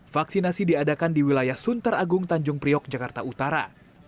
vaksinasi diadakan di wilayah sunter agung tanjung priok jakarta utara